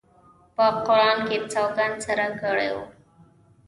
په قرآن یې سوګند سره کړی وو.